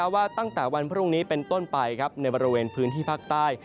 ว่าตั้งแต่วันพรุ่งนี้เป็นต้นไปในบริเวณพื้นที่ภาคใต้